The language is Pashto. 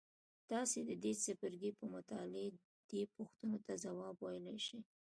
تاسې د دې څپرکي په مطالعې دې پوښتنو ته ځواب ویلای شئ.